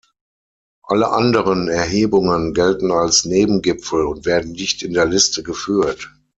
Alle anderen Erhebungen gelten als "Nebengipfel" und werden nicht in der Liste geführt.